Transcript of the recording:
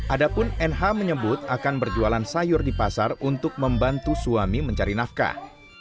adapun nh menyebut akan berjualan sayur di pasar untuk membantu suami mencari nafkah